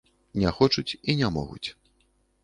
Не хочуць і не могуць.